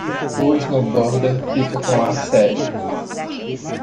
O snowboarder fica com ar sério.